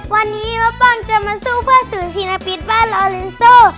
วันนี้มะปังจะมาสู้เพื่อสูญศีลปิดบ้านลอลินซู